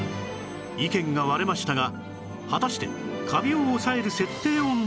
意見が割れましたが果たしてカビを抑える設定温度は？